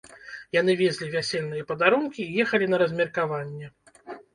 Яны везлі вясельныя падарункі і ехалі на размеркаванне.